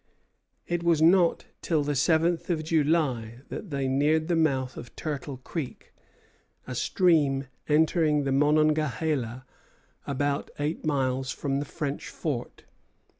It was not till the seventh of July that they neared the mouth of Turtle Creek, a stream entering the Monongahela about eight miles from the French fort.